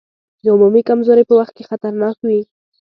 د عمومي کمزورۍ په وخت کې خطرناک وي.